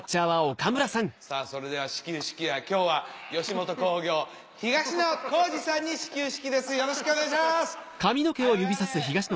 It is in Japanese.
さぁそれでは始球式や今日は吉本興業東野幸治さんに始球式ですよろしくお願いします！